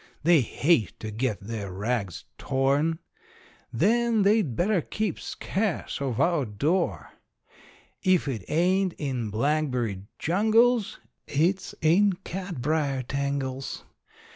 They hate to get their rags torn. Then they'd better keep scarce of our door. If it ain't in blackberry jungles it's in catbrier tangles.